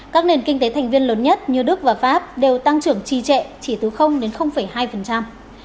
các nền kinh tế thành viên lớn nhất như đức và pháp đều tăng trưởng trì trệ chỉ từ hai phần trăm